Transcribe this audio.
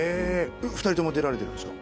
えっ２人とも出られてるんですか？